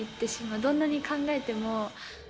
どんなに考えても。